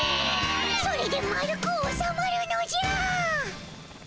それで丸くおさまるのじゃ。